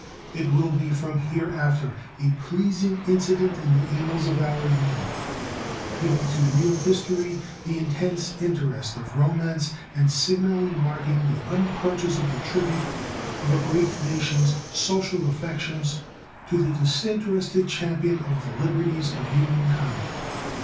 It will form here after a pleasing incident in the annals of our Union, giving to real history the intense interest of romance and signally marking the unpurchasable tribute of a great nation's social affections to the disinterested champion of the liberties of human kind.